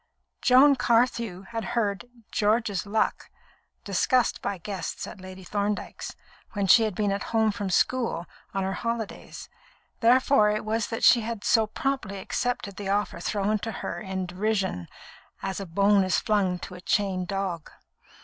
Joan Carthew had heard "George's luck" discussed by guests at Lady Thorndyke's, when she had been at home from school on her holidays; therefore it was that she had so promptly accepted the offer thrown to her in derision, as a bone is flung to a chained dog.